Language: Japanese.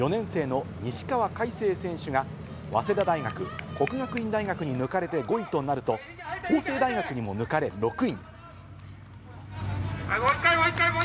４年生のにしかわかいせい選手が、早稲田大学、國學院大学に抜かれて５位となると、法政大学にも抜かれ６位。